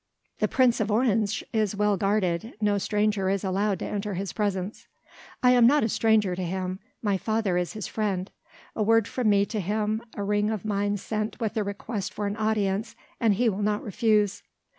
"The Prince of Orange is well guarded. No stranger is allowed to enter his presence." "I am not a stranger to him. My father is his friend; a word from me to him, a ring of mine sent in with a request for an audience and he will not refuse."